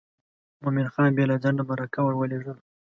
مومن خان بې له ځنډه مرکه ور ولېږله.